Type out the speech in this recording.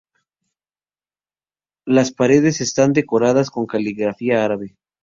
Las paredes están decoradas con caligrafía árabe.